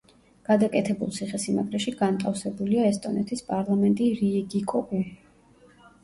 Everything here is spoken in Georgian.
გადაკეთებულ ციხესიმაგრეში განტავსებულია ესტონეთის პარლამენტი რიიგიკოგუ.